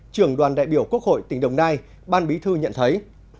trường đoàn đại biểu quốc hội tình đồng nai ban bí thư nhận thấy